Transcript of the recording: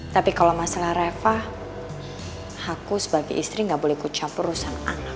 tapi kalau masalah reva aku sebagai istri gak boleh kucar urusan anak